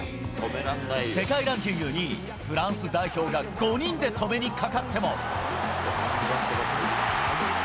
世界ランキング２位、フランス代表が５人で止めにかかっても。